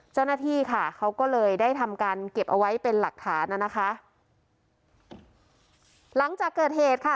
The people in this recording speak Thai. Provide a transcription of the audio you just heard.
เจ้าหน้าที่ค่ะเขาก็เลยได้ทำการเก็บเอาไว้เป็นหลักฐานน่ะนะคะหลังจากเกิดเหตุค่ะ